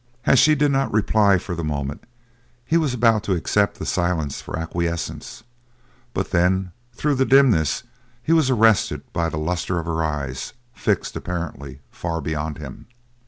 As she did not reply for the moment he was about to accept the silence for acquiescence, but then through the dimness he was arrested by the lustre of her eyes, fixed, apparently, far beyond him.